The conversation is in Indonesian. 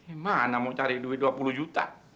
eh mana mau cari duit dua puluh juta